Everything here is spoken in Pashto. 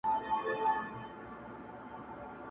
څو څو ځله کښته پورته وروسته وړاندي؛